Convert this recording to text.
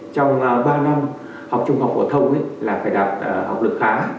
trong ba năm học trung học phổ thông là phải đạt học lực khá